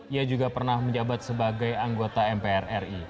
ia juga pernah menjabat sebagai anggota mprri